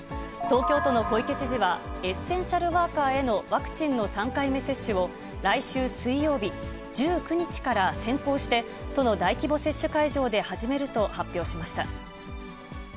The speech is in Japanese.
東京都の小池知事は、エッセンシャルワーカーへのワクチンの３回目接種を、来週水曜日、１９日から先行して都の大規模接種会場で始めると発表しました。